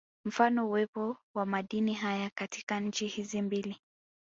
Mfano uwepo wa madini haya katika nchi hizi mbili